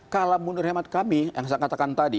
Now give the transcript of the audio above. kalau menurut hemat kami yang saya katakan tadi